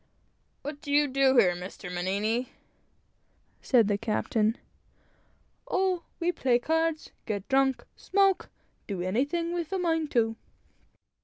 "What do you do here, Mr. Mannini?" said the captain. "Oh, we play cards, get drunk, smoke do anything we're a mind to."